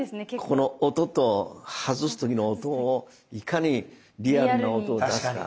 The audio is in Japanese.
この音と外す時の音をいかにリアルな音を出すか。ね？